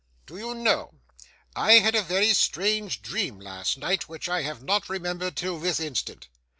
Do you know, I had a very strange dream last night, which I have not remembered till this instant.